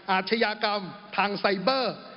อาชญากรรมทางไซเบอร์